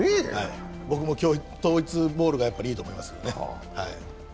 僕も統一ボールがいいと思いますね。